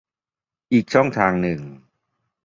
อีกช่องทางหนึ่ง